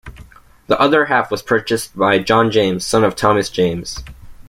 The other half was purchased by John James, son of Thomas James.